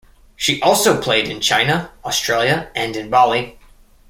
She also played in China, Australia, and in Bali.